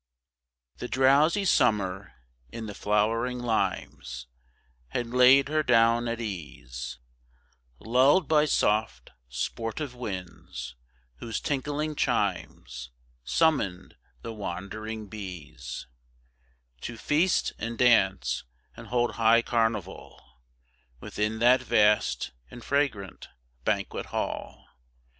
The drowsy summer in the flowering limes Had laid her down at ease, Lulled by soft, sportive winds, whose tinkling chimes Summoned the wandering bees To feast, and dance, and hold high carnival Within that vast and fragrant banquet hall.